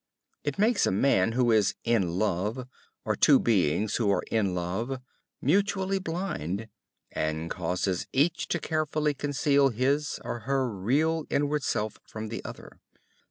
It makes a man who is "in love," or two beings who are in love, mutually blind, and causes each to carefully conceal his or her real inward self from the other.